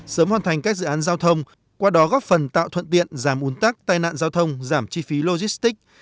sớm hoàn thành các dự án giao thông qua đó góp phần tạo thuận tiện giảm un tắc tai nạn giao thông giảm chi phí logistics